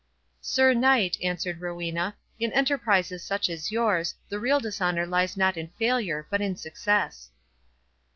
"Sir Knight," answered Rowena, "in enterprises such as yours, the real dishonour lies not in failure, but in success."